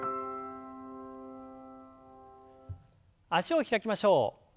脚を開きましょう。